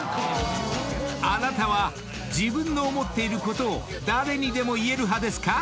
［あなたは自分の思っていることを誰にでも言える派ですか？